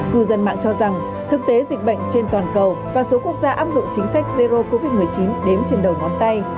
cư dân mạng cho rằng thực tế dịch bệnh trên toàn cầu và số quốc gia áp dụng chính sách zero covid một mươi chín đếm trên đầu ngón tay